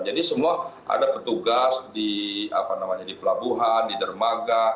jadi semua ada petugas di apa namanya di pelabuhan di dermaga